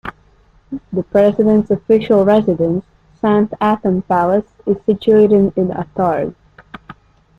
The President's official residence, San Anton Palace, is situated in Attard.